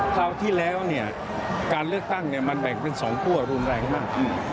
คราวที่แล้วเนี่ยการเลือกตั้งมันแบ่งเป็น๒คั่วรุนแรงมาก